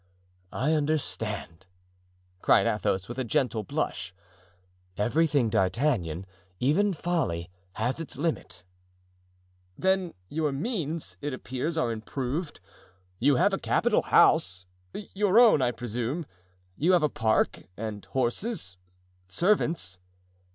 "I understand," cried Athos, with a gentle blush. "Everything, D'Artagnan, even folly, has its limit." "Then your means, it appears, are improved; you have a capital house—your own, I presume? You have a park, and horses, servants."